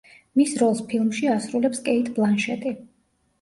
მის როლს ფილმში ასრულებს კეიტ ბლანშეტი.